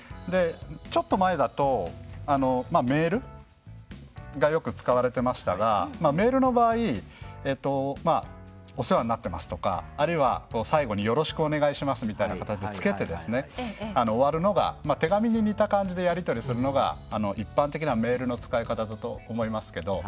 ちょっと前だとメールがよく使われてましたがメールの場合「お世話になってます」とかあるいは最後に「よろしくお願いします」みたいな形でつけて終わるのが手紙に似た感じでやり取りするのが一般的なメールの使い方だと思いますけど。